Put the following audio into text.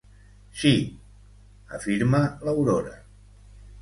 Sí —afirma l'Aurora—.